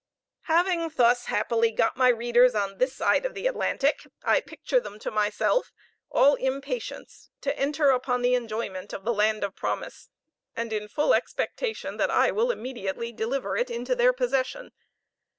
Having thus happily got my readers on this side of the Atlantic, I picture them to myself, all impatience to enter upon the enjoyment of the land of promise, and in full expectation that I will immediately deliver it into their possession.